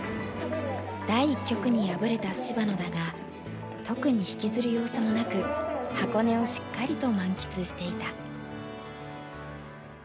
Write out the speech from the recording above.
第一局に敗れた芝野だが特に引きずる様子もなく箱根をしっかりと満喫していた。